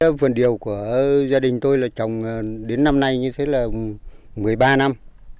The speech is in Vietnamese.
phần điều của gia đình tôi là trồng đến năm nay như thế là một mươi ba năm